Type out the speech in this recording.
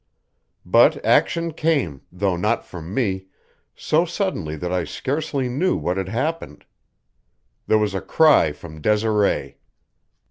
But action came, though not from me, so suddenly that I scarcely knew what had happened. There was a cry from Desiree.